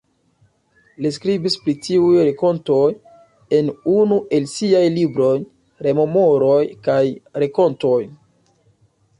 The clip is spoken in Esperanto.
Li skribis pri tiuj renkontoj en unu el siaj libroj: "Rememoroj kaj renkontoj".